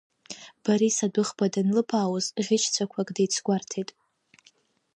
Борис адәыӷба данылбаауаз ӷьычцәақәак деицгәарҭеит.